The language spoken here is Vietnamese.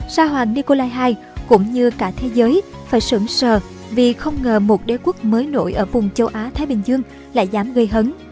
sa hoàng nikolai ii cũng như cả thế giới phải sửng sờ vì không ngờ một đế quốc mới nổi ở vùng châu á thái bình dương lại dám gây hấn